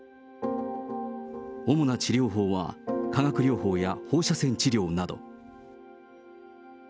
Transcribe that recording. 主な治療法は、化学療法や放射線治療など。